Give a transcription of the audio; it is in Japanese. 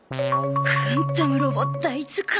『カンタムロボ大図鑑』？